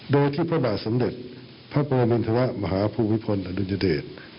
โดยที่พระบาทสำเด็จพระประวมินธระมหาภูวิพลอดุลยเดช